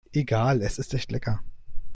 Egal, es ist echt lecker.